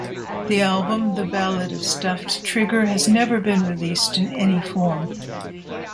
The album "The Ballad of Stuffed Trigger" has never been released in any form.